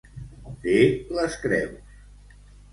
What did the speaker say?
Fer les creus.